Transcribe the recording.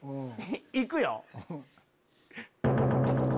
行くよ。